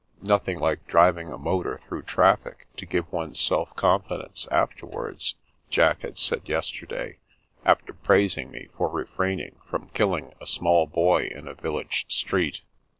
" Nothing like driving a motor through traffic, to give one self confidence afterwards," Jack had said yesterday, after prais ing me for refraining from killing a small boy in a village street.